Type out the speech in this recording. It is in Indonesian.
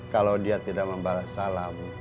kalau dia tidak membalas salam